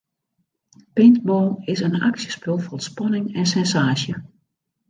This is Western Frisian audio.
Paintball is in aksjespul fol spanning en sensaasje.